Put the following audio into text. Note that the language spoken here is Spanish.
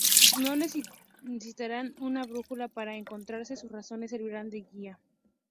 No necesitarán una brújula para encontrarse, sus corazones servirán de guía.